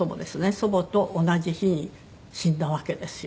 祖母と同じ日に死んだわけですよ。